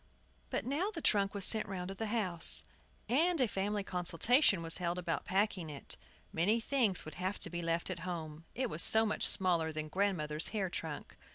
But now the trunk was sent round to the house, and a family consultation was held about packing it. Many things would have to be left at home, it was so much smaller than the grandmother's hair trunk.